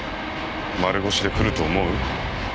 丸腰で来ると思う？